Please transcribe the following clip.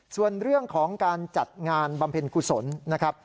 ส่วนเรื่องของการจัดงานบำเพ็ญกุศลนะครับ